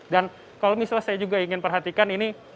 dan kalau misalnya saya juga ingin perhatikan ini